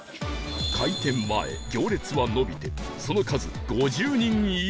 開店前行列は延びてその数５０人以上